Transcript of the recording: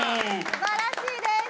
素晴らしいです！